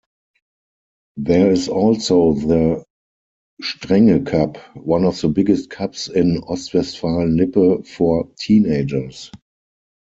There is also the Strenge-Cup, one of the biggest cups in Ostwestfalen-Lippe for teenagers.